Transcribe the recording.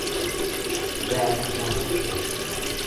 Beaka.